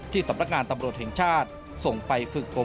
สำนักงานตำรวจแห่งชาติส่งไปฝึกกลม